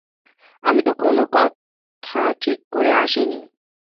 আমি তো কোনো কথা ঠিক করে আসিনি।